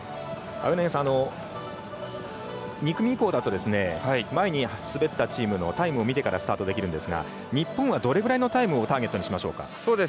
青柳さん、２組以降だと前に滑ったチームのタイムを見てからスタートできるんですが日本はどれぐらいのタイムをターゲットにしましょうか。